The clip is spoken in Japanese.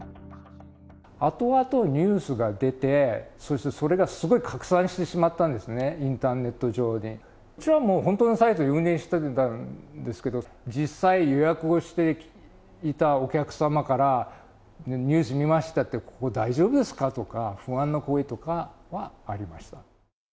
あとあとニュースが出て、そしてそれがすごい拡散してしまったんですね、インターネット上に。うちは本当のサイトを運営してたんですけど、実際、予約をしていたお客様からニュース見ましたって、ここ、大丈夫ですか？とか、不安の声とかはありました。